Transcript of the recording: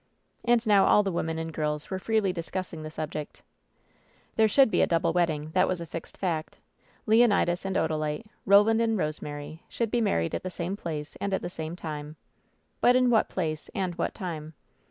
And now all the women and girls were freely discuss ing the subject. There should be a double wedding — ^that was a fixed fact. Leonidas and Odalite, Roland and Rosemary should be married at the same place and at the same time — ^but in what place and at what time?